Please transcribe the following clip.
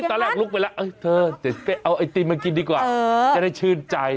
ตอนแรกลุกไปแล้วเธอไปเอาไอติมมากินดีกว่าจะได้ชื่นใจ